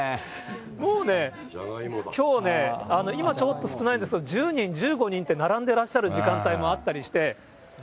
もうね、きょうね、今ちょっと少ないんですけど、１０人、１５人って、並んでらっしゃる時間帯もあったりして。